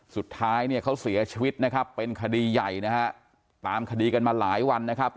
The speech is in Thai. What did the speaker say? สุดท้ายเนี่ยเขาเสียชีวิตนะครับเป็นคดีใหญ่นะฮะตามคดีกันมาหลายวันนะครับ